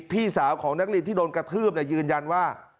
พี่สาวของนักเรียนที่โดนกระทืบยืนยันว่า